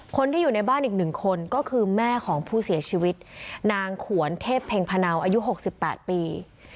คนที่อยู่ในบ้านอีก๑คนก็คือแม่ของผู้เสียชีวิตนางขวนเทพเพ็งพนาวอายุ๖๘ปี